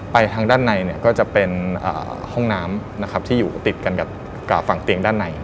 ทางด้านในก็จะเป็นห้องน้ำนะครับที่อยู่ติดกันกับฝั่งเตียงด้านใน